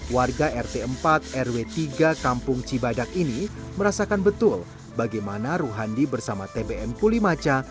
warga rt empat rw tiga kampung cibadak ini merasakan betul bagaimana ruhandi bersama tbm pulimaca